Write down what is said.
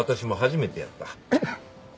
えっ！？